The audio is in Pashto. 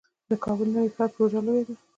د کابل نوی ښار پروژه لویه ده